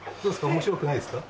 面白くないですか？